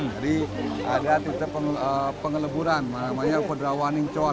jadi ada titik pengeleburannya namanya kodrawaning cor